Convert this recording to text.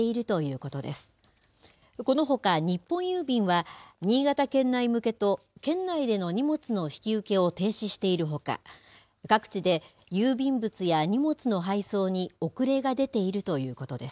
このほか日本郵便は、新潟県内向けと、県内での荷物の引き受けを停止しているほか、各地で郵便物や荷物の配送に遅れが出ているということです。